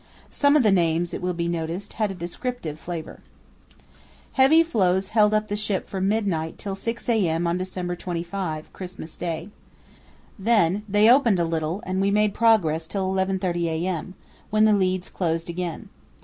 Some of the names, it will be noticed, had a descriptive flavour. Heavy floes held up the ship from midnight till 6 a.m. on December 25, Christmas Day. Then they opened a little and we made progress till 11.30 a.m., when the leads closed again.